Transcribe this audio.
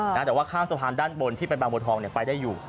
แต่ว่าข้างสะพานด้านบนที่ไปบางบัวทองไปได้อยู่